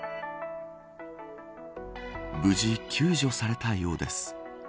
無事、救助されたようです。